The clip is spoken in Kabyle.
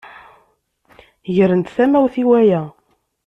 Grent tamawt i waya.